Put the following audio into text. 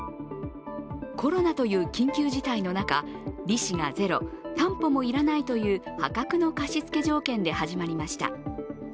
コロナという緊急事態の中、利子がゼロ、担保も要らないという破格の貸し付け条件で始まりました。